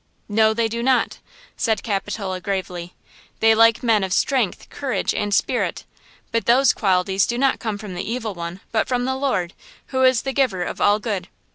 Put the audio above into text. "No, they do not!" said Capitola, gravely. "They like men of strength, courage and spirit–but those qualities do not come from the Evil One, but from the Lord, who is the giver of all good.